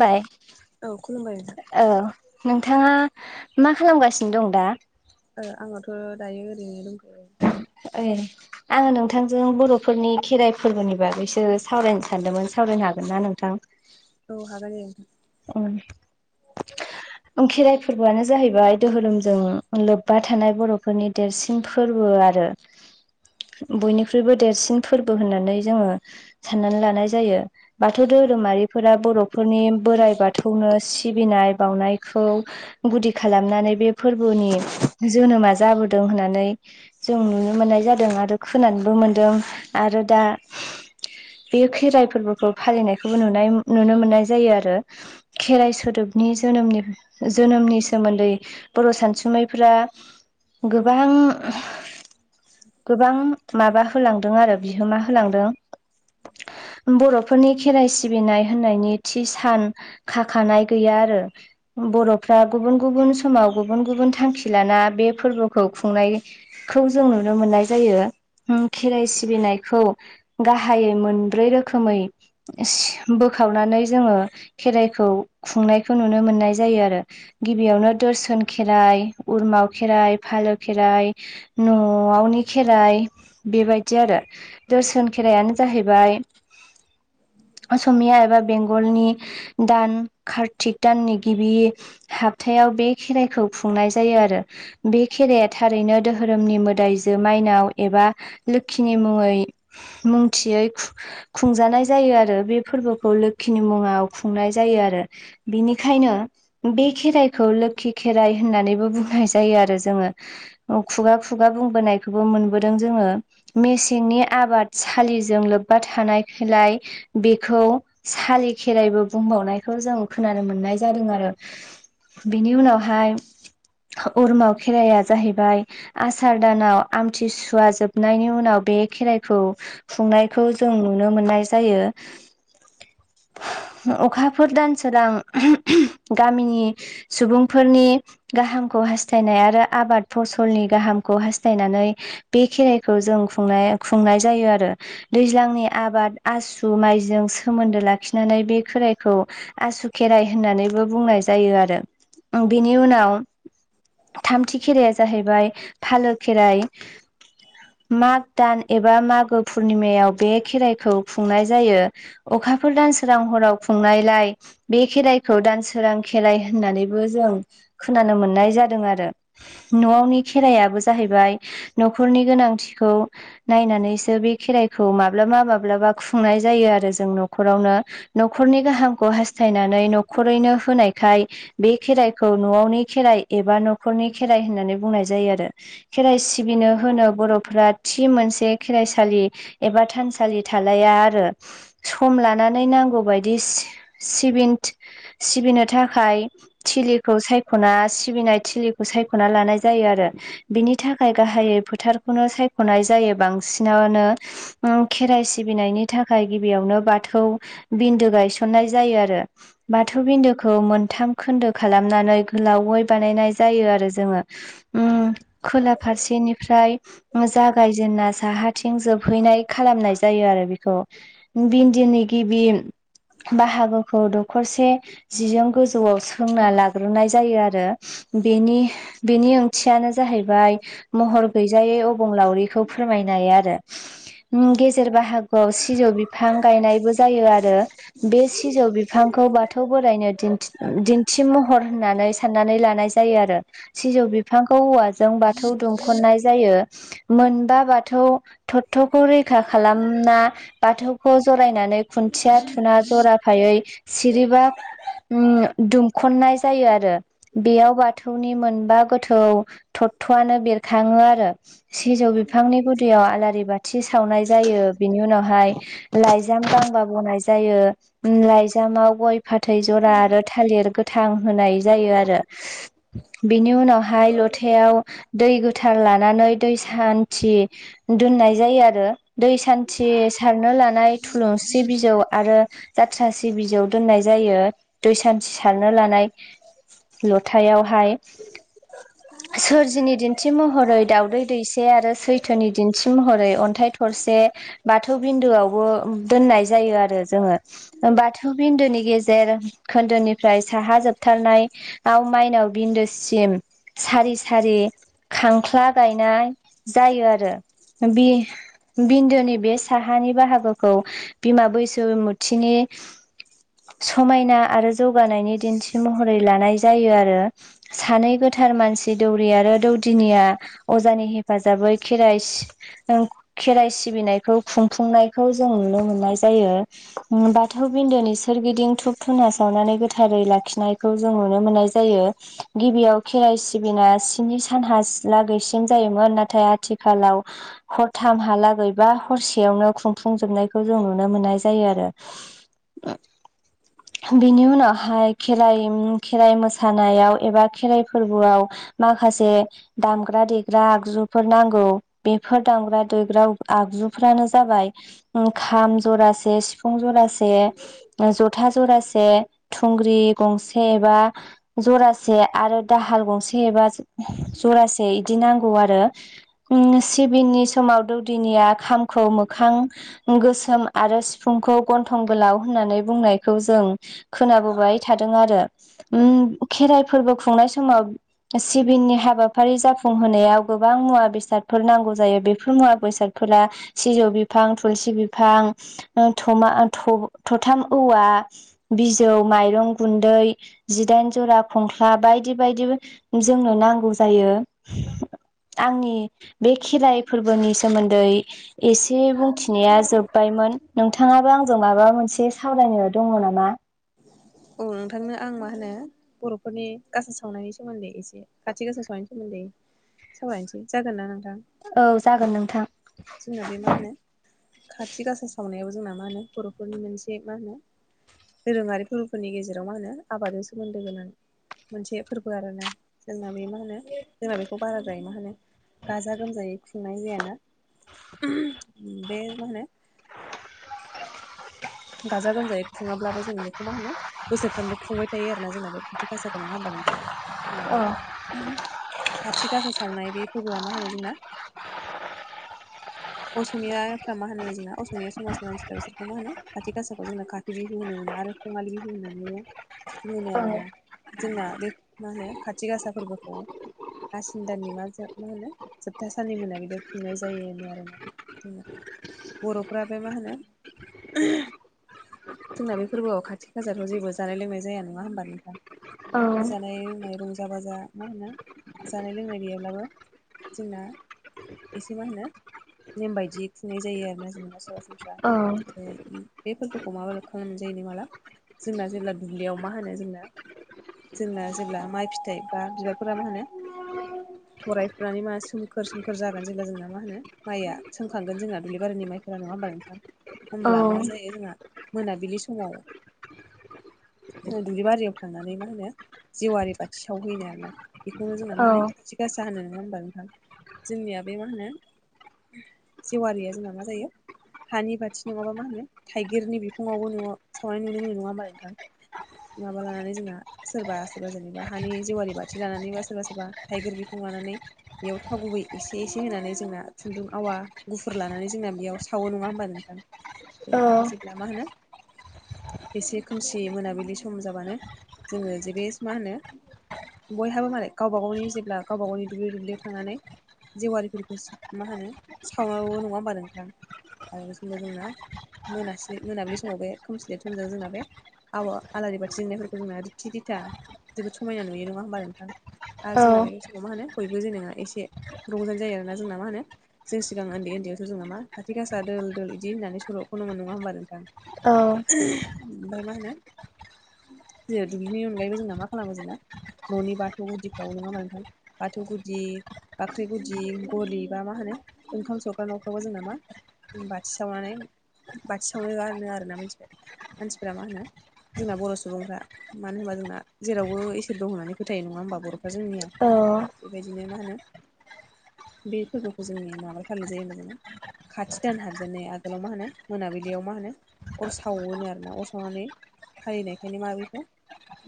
बाय औ खुलुमबाय औ नोंथाङा मा खालामगासिनो दं दा? आंनावथ' दायो ओरैनो दंखैयो। ओइ आङो नोंथांजों बर'फोरनि खेराइ फोरबोनि बागैसो सावरायनो सानदोंमोन सावरायनो हागोन ना नोंथां? औ हागोन दे औ खेराइ फोरबोआनो जाहैबाय दोहोरोमजों लोब्बा थानाय बर'फोरनि देरसिन फोरबो आरो बयनिख्रुइबो देरसिन फोरबो होननानै जोङो साननानै लानाय जायो बाथौ धोरोमारिफोरा बर फोरनि बोराइ बाथौनो सिबिनाय बावनायखौ गुदि खालामनानै बे फोरबोनि जोनोमा जाबोदों होननानै जों नुनो मोननाय जादों आरो खोनानोबो मोनदों आरो दा बेयो खेराइ फोरबोखौ फालिनायखौबो नुनाय नुनो मोननाय जायो आरो। खेराइ सोदोबनि जोनोमनि जोनोमनि सोमोन्दै बर' सानसुमैफोरा गोबां गोबां माबा होलांदों आरो बिहोमा होलांदों। बर फोरनि खेराइ सिबिनाय होननायनि थि सान खाखानाय गैया आरो बर फ्रा गुबुन गुबुन समाव गुबुन गुबुन थांखि लाना बे फोरबोखौ खुंनाय खौ जों नुनो मोननाय जायो खेराइ सिबिनायखौ गाहायै मोनब्रै रोखोमै बोखावनानै जोङो खेराइखौ खुंनायखौ नुनो मोननाय जायो आरो गिबियावनो दोरसन खेराइ उरमाव खेराइ फालो खेराइ नआवनि खेराइ बेबायदि आरो दोरसोन खेरायानो जाहैबाय असमिया एबा बेंगलनि दान कार्तिक दाननि गिबि हाबथायाव बे खेराइखौ खुंनाय जायो आरो बे खेराया थारैनो दोहोरोमनि मोदायजो माइनाव एबा लोखिनि मुङै मुंथियै खुंजानाय जायो आरो बे फोरबोखौ लोखिनि मुङाव खुंनाय जायो आरो बिनिखायनो बे खेराइखौ लोखि खेराइ होननानैबो बुंनाय जायो आरो जोङो खुगा खुगा बुंबोनाय खौबो मोनबोदों जोङो मेसेंनि आबाद सलिजों लोब्बा थानायखायलाय बेखौ सालि खेराइबो बुंबावनायखौ जों खोनानो मोननाय जादों आरो बेनि उनावहाय उरमाव खेराइाया जाहैबाय आसार दानाव आमथिसुवा जोबनायनि उनाव बे खेराइखौ खुंनायखौ जों नुनो मोननाय जायो अखाफोर दानसोरां गामिनि सुबुंफोरनि गाहामखौ हास्थायनाय आरो आबाद फसलनि गाहामखौ हास्थायनानै बे खेराइखौ जों खुंनाय खुंनाय जायो आरो दैज्लांनि आबाद आसु माइजों सोमोन्दो लाखिनानै बे खेराइखौ आसु खेराइ होननानैबो बुंनाय जायो आरो बेनि उनाव थामथि खेराया जाहैबाय फालो खेराइ माग दान एबा मागो पुर्निमायाव बे खेराइखौ खुंनाय जायो अखाफोर दान सोरां हराव खुंनायलाय बे खेराइखौ दान सो रां खेराइ होननानैबो जों खोनानो मोननाय जादों आरो न आवनि खेरायाबो जाहैबाय न‌खरनि गोनांथिखौ नायनानैसो बे खेराइखौ माब्लाबा माब्लाबा खुंनाय जायो आरो जों न खरावनो न खरनि गाहामखौ हास्थायनानै न खरैनो होनायखाय बे खेराइखौ न आवनि खेराइ एबा न खरनि खेराइ होननानै बुंनाय जायो आरो खेराइ सिबिनो होनो बर फोरा थि मोनसे खेराइसालि एबा थानसालि थालाया आरो सम लानानै नांगौबाय दि सिबिन सिबिनो थाखाय थिलिखौ सायख ना सिबिनाय थिलिखौ सायखना लानाय जायो आरो बिनि थाखाय गाहायै फोथारखौनो सायख नाय जायो बांसिनानो ओ खेराइ सिबिनायनि थाखाय गिबियावनो बाथौ बिन्दो गायसननाय जायो आरो बाथौ बिन्दोखौ मोनथाम खोन्दो खालामनानै गोलावै बानायनाय जायो आरो जोङो। उम खोला फारसेनि ओमफ्राय जागायजेनना साहाथिं जोबहैनाय खालामनाय जायो आरो बेखौ [unintelligible] बाहागोखौ दखरसे जिजों गोजौआव सोंना लाग्रोनाय जायो आरो बेनि बेनि ओंथियानो जाहैबाय महर गैजायै अबंलावरि फोरमायनाय आरो गेजेर बाहागोआव सिजौ बिफां गायनायबो जायो आरो बे सिजौ बिफांखौ बाथौ बोराइनो दिन्थि दिन्थि महर होननानै साननानै लानाय जायो आरो सिजौ बिफांखौ औवाजों बाथौ दुमख'नाय जायो। मोनबा बाथौ थत'खौ रैखा खालामना बाथौखौ जरायनानै खुन्थिया थुना जरा यै सिरिबा उम दुमखन्नाय जायो आरो। बेयाव बाथौनि मोनबा गोथौ थत'आनो बेरखाङो आरो। सिजौ बिफांनि गुदियाव आलारि बाथि सावनाय जायो बिनि उनावहाय लाइजाम गांबा बनाय जायो। लाइजामाव गय फाथै जरा आरो थालिर गोथां होनाय जायो आरो। बिनि उनावहाय लथायाव दै गोथार लानानै दै सान्थि दोननाय जायो आरो दै सान्थि सारनो लानाय थुलुंसि बिजौ आरो जाथ्रासि बिजौ दोननाय जायो दै सान्थि सारनो लानाय लथायावहाय सोरजिनि दिन्थि महरै दावदै दैसे आरो सैथोनि दिन्थि महरै अन्थाइ थरसे बाथौ बिन्दोआवबो दोननाय जायो आरो जोङो बाथौ बिन्दोनि गेजेर खोन्दोनिफ्राय साहा जोबथारनाय आव माइनाव बिन्दोसिम सारि सारि खांख्ला गायनाय जायो आरो बि बिन्दोनि बे साहानि बाहागोखौ बिमा बैसुमुथिनि समायना आरो जौगानायनि दिन्थि महरै लानाय जायो आरो। सानै गोथार मानसि दौरि आरो दौदिनिया अजानि हेफाजाबै खेराइ खेराइ सिबिनायखौ खुंफुंनायखौ जों नुनो मोननाय जायो। बाथौ बिन्दोनि सोरगिदिं धुब धुना सावनानै गोथारै लाखिनाय खौ जों नुनो मोननाय जायो। गिबियाव खेराइ सिबिना स्नि सानहालागैसिम जायोमोन नाथाय आथिखालाव हरथाम हालागैबा हरसेयावनो खुंफुंजोबनायखौ जों नुनो मोननाय जायो आरो। बिनि उनावहाय खेराइ खेराइ मोसानायाव एबा खेराइ फोरबोआव माखासे दामग्रा देग्रा आगजुफोर नांगौ बेफोर दामग्रा देग्रा आगजुफ्रानो जाबाय खाम जरासे से सिफुं जरासे जथा जरासे थुंग्रि गंसे एबा जरासे आरो दाहाल गंसे एबा जरासे बिदि नांगौ आरो उम सिबिननि समाव दौदिनिया खामखौ मोखां गोसोम आरो सिफुंखौ गन्थं गोलाव होननानै बुंनायखौ जों खोनाबोबाय थादों आरो। उम खेराइ फोरबो खुंनाय समाव सिबिननि हाबाफारि जाफुंहोनायाव गोबां मुवा बेसादफोर नांगौ जायो बे मुवा बेसादफोरा सिजौ बिफां थुलसि बिफां ओ थमा थ थथाम औवा बिजौ माइरं गुन्दै जिदाइन जरा खंख्ला बायदि बायदि जोंनो नांगौ जायो आंनि बे खेराइ फोरबोनि सोमोन्दै एसे बुंथिनाया जोबबायमोन। नोंथाङाबो आंजों माबा मोनसे सावरायनो दङ नामा? औ नोंथांनो आं मा होनो बर'फोरनि गाजा सावनायनि सोमोन्दै एसे खाथि गासा सावनायनि सोमोन्दै सावरायनोसै जागोनना नोंथां औ जागोन नोंथां जोंना बे मा होनो खाथि गासा सावनायाव जोंना मा होनो बर'फोरनि मोनसे मा होनो दोरोङारि फोरबोफोरनि गेजेराव मा होनो आबादजों सोमोन्दो गोनां मोनसे फोरबो आरोना जोंना मे मा मा होनो जोंना बेखौ बाराद्राय मा होनो गाजा गोमजायै संनाय जायाना बे माहोनो गाजा गोमजायै खुङाब्लाबो जों बेखौ मा होनो बोसोरफ्रामबो खुंबाय थायो आरोना जोंना बे खाथि गासाखौ नङा होमबा नोंथां जोंना औ बे खाथि गासा सावनाय बे फोरबोआ मा होनो जोंना असमियाफ्रा मा होनो जोंना असमिया समाजनि मानसिफ्रा बिसोरखौ मा होनो खाथि गासाखौ जोंना खाथि बिहु होनो ना आरो खङालि बिहु होननानैबो होनो औ आरोना। जोंना बे मा होनो खाथि गासा फोरबोखौ आसिन दानि मा मा होनो जोबथा सानननि मोना बिदि खुंनाय जायो आरोना जोंना बर'फ्रा बे मा होनो [inaudible] जोंना बे फोरबोआव खाथि खाजाराव जेबो जानाय लोंनाय जाया नङा होमबा नोंथां औ जानाय लोंनाय रंजा बाजा मा होनो जानाय लोंनाय गैयाब्लाबो जोंना एसे मा होनो नेम बायदि खुंनाय जायो आरोना जेनेबा सरासनस्रा। औ। बे फोरबोखौ माबा लोबखांनानै जायो न माला जोंना जेब्ला दुब्लियाव मा होनो जोंना जोंना जेब्ला माइ फिथाइ बा बिबारफोरा मा होनो [unintelligible] थरायफुनानै मा सोमखोर सोमखोर जागोन जेब्ला जोंना मा होनो माइआ सोमखांगोन जोंना दुब्लिबारिनि माइफोरा नङा होनबा नोंथां? औ होमब्ला मा जायो जोंना मोनाबिलि समाव दुब्लि बारियाव थांनानै मा होनो जेवारि बाथि सावहैनो आर ना बेखौनो जोंना औ मा होनो खाथि गासा होनो नङा होमबा नोंथां जोंनिया बे मा होनो जेवारिया जोंना मा जायो हानि बाथि नङाबा मा होनो थाइगिरनि बिफङावबो न'आव सावनाय नुनो मोनो नङा होमा नोंथां माबा लानानै जोंना सोरबा सोरबा जेनेबा हानि जेवारि बाथि लानानैबा सोरबा सोरबा थाइगिर बिखं लानानै बेयाव थाव गुबै एसे एसे होनानै जोंना खुन्दुं आवा गुफुर लानानै जोंना बेयाव सावो नङा होमबा नोंथां बे जेब्ला मा होनो एसे खोमसि मोनाबिलि सम जाबानो जोङो जेबे मा होनो बयहाबो मालाय गावबा गावनि जेब्ला गावबा गावनि दुब्लि दुब्लियाव थांनानै जेवारिफोरखौ सा मा होनो सावनांगौ नङा होमबा नोंथां आरो बेसिमबो जोंना मोनासलि मोनाब्लि समाव बे खोमसिलेर समजों जोंना बे आबा आलारि बाथि जोंनायफोरखौ जोंना रिथि रिथा जोबोद समायना नुयो नङा होमबा नोंथां आरो औ जोंना बे समाव मा होनो बयबो जेनेबा एसे रंजानाय जायो आरोना जोंना मा होनो जों सिगां ओन्दै ओन्दैयावथ' जोङो मा खाथि गासा दोल दोल इदि होननानै सल'खनो मोन नङा होनोमबा नोंथां औ। ओमफफ्राय मा होनो ज दुब्लिनि अनगायैबो जोंना मा खालामो जोंना न'नि बाथौ गुदिफ्राव नङामा नोंथां बाथौ गुदि बाख्रि गुदि गलि बा मा होनो ओंखाम संग्रा न'फ्रावाबबो जोंना मा होनब बाथि सावनानै बाथि सावनाय गारनो आरोना मोनथिबाय मानसिफोरा मा होनो जोंना बर' सुबुंफ्रा मानो होनबा जोंना जेरावबो इसोर दं होननानै फोथायो नङा होमबा बर' जोंनिया बेबायदिनो मा होनो बे फोरबोखौ जोंनिया माबा फालिनाय जायो मोन जोंना खाथि दान हाब माने आगोलाव मा होनो मोनाबिलियाव मा होनो अर सावो आर ना अर सावनानै फालिनायखायनो माबिखौ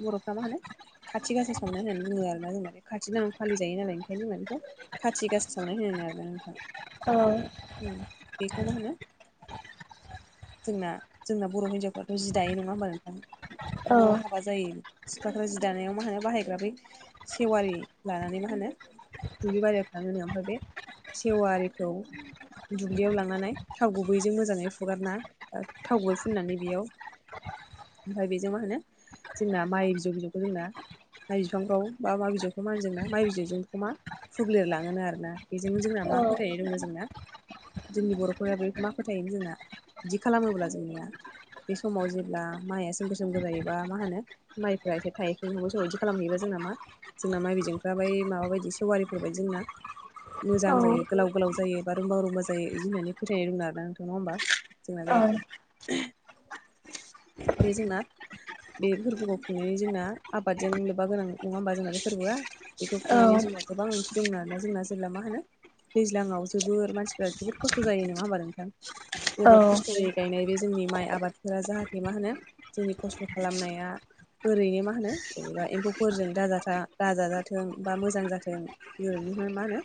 बर'फ्रा मा होनो खाथि गासा सावनाय होननानै बुङो आरो ना जोंना बे खाथि नाम फालि जायो नालाय ओंखायनोोंना बेखौ खाथि गसि सावनाय होन आरोोना नोंथाङा औ [inaudible] [inaudible] जोंना जोंना बर' हिनजावफ्राथ' जि दायो नङा होमबा नोंथां औ बर' हाबा जायो सिख्लाफ्रा जि दानायाव मा होनो बाहायग्रा बै सेवारि लानानै मा होनो दुब्लि बारियाव थां होनो ओमफ्राय बे सेवारिखौ दुब्लियाव लांनानै थाव गुबैजों मोजाङै फुगारना थाव गुबै फुननानै बेयाव ओमफ्राय बेजों मा होनो जोंना माइ बिजौ बिजौखौ जोंना माइ बिफांफ्राव बा मा बिजफ्र मा होनो जों नना माइ बिजौजोंखौ मा फुबले लाङोनो आर ना बेजोंनो जोंना मा फोथायनाय दङ जोंना जोंनि बर' अ बे मा फोथायोमोन जोंना बिदि खालामोब्ला जोंनिया बे समाव जेब्ला माइया सोमगोर सोमगोर जायोबा मा होनो माइफ्रा एसे थाइखजों सांबाय सब बिदि खालामहैबाया जों नामा जोंना माइ बिजोंफ्रा बाय माबा बायदि सेवारिफोर बायदि जोंना मोजां जायो गोलाव गोलाव जायो बा रुमबा रुमबा जायो बिदि होननानै फोथायनाय दं आरो नोंथ ना होमबा जोंना बे [inaudible] बे जोंना बे फोरबोखौ खुंनायनि जोंना आबादजों लोब्बा गोनां नङा होनोमबा जोंना बे फोरबोआ बेखौ खुंनायनि जोंना गोबां ओंथि दंमोन आरोना जोंना जेब्ला मा होनो दैज्लाङाव जोबोर मानसिफ्रा जोबोर खस्थ' खस्थ' जायो नङा होमबा नोंथां जोबोद खस्थ' जायो गायनाय बे जोंनि माइ आबादफोरा जाहाथे मा होनो जोंनि खस्थ' खालामनाया ओरैनो मा होनो जेनेबा एम्फौफोरजों दाजाथ दाजाजाथों बा मोजां जाथों ओरैनो मा होनो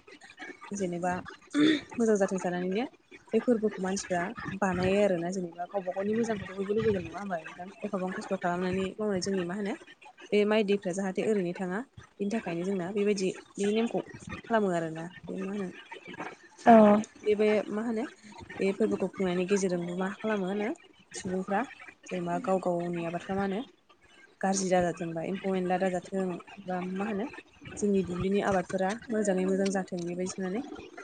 जेनेबा मोजां जाथों जानानैनो बे फोरबोखौ मानसिफ्रा बानायो आरोना जेनेबा गावबा गावनि मोजांखौथ' बयबो लुबैगोन नङा होमबा नोंथां एफाबां खस्थ' खालामनानै मावनाय जोंनि मा होनो बे माइ दैफ्रा जाहाथे ओरैनो थाङा बिनि थाखायनो जोंना बेबायदि बिनि नेमखौ खालामो आरोोना बे मा होनो औ बे मा होनो बे फोरबोखौ खुंनायनि गेजेरजोंबो मा खालामो होनो सुबुंफ्रा जेनेबा गाव गावनि आबाद्रा मा होनो गाज्रि दाजाथों बा एम्फौ एेला दाजाथों बा मा होनो जोंनि दुब्लिनि आबादफोरा मोजाङै मोजां जाथों बेबायदि सानै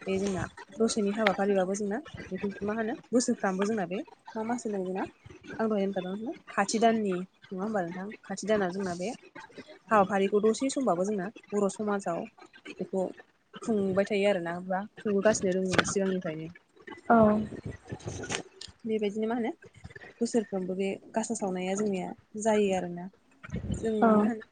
बे जोंना दसेनि हाबा फालिबाबबो जोंना बेखौ मा होनो बोसोरफ्रामबो जोंना बे मा मास होनांग जोंना आं दहाय दखादोंदों नमोन खाथि दाननि नङा होमबा नोंथां खाथि दानाव जोंना बे हाबाफारिखौ दसे समबाबो जोंना बर' समाजाव बेखौ खुंबाय थायो आर ना बा खुंहोगासिनो दंदों ना सिगांनिफ्रायनो औ बेबायदिनो मा होनो बोसोरफ्रोमबो बे गासा सावनाया जोंनिया जायो आरोोना जों औ मा होनो